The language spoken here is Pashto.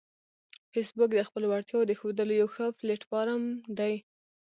فېسبوک د خپلو وړتیاوو د ښودلو یو ښه پلیټ فارم دی